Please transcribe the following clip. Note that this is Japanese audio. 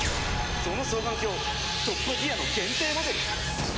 その双眼鏡トッパギアの限定モデル！